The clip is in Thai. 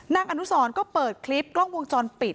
นางอนุสรก็เปิดคลิปกล้องวงจรปิด